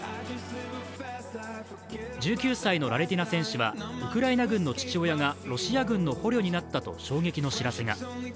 １９歳のラレティナ選手はウクライナ軍の父親がロシア軍の捕虜になったと衝撃の知らせが。